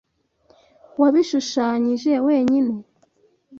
Wabishushanyije wenyine?